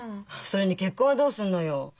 それに結婚はどうするのよ？